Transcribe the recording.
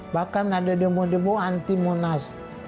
bahkan ada demo demo anti monas